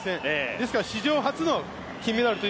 ですから史上初の金メダルと